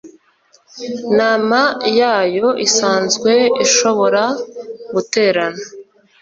Nama yayo isanzwe ishobora guterana